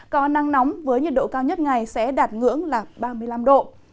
có nắng nóng với nhiệt độ cao nhất ngày sẽ đạt ngưỡng là ba mươi năm độ